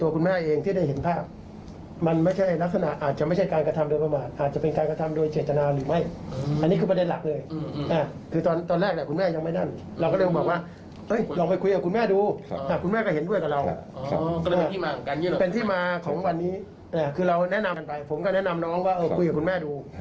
คือเราแนะนำกันไปผมก็แนะนำน้องว่ากลุ่ยกับคุณแม่ดู